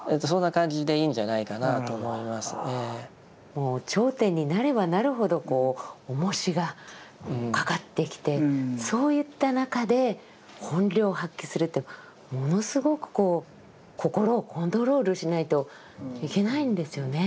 もう頂点になればなるほどこうおもしがかかってきてそういった中で本領を発揮するってものすごく心をコントロールしないといけないんですよね。